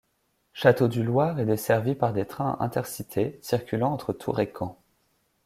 Château-du-Loir est desservie par des trains Intercités circulant entre Tours et Caen.